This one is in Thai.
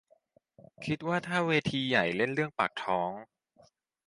คิดว่าถ้าเวทีใหญ่เล่นเรื่องปากท้อง